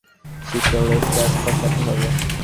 শিপের লেজটা খসাতে হবে।